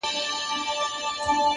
اخلاق د شخصیت رڼا ده.!